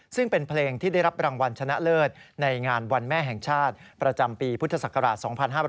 ซึ่งเป็นเพลงที่ได้รับรางวัลชนะเลิศในงานวันแม่แห่งชาติประจำปีพุทธศักราช๒๕๕๙